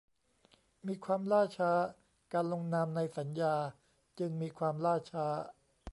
มีความล่าช้า การลงนามในสัญญาจึงมีความล่าช้า